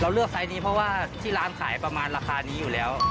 เลือกไซส์นี้เพราะว่าที่ร้านขายประมาณราคานี้อยู่แล้ว